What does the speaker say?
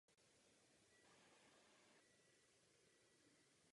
Poté se opět vrátil zpět do Hradce Králové.